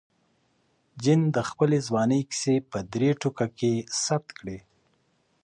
جین د خپلې ځوانۍ کیسې په درې ټوکه کې ثبت کړې.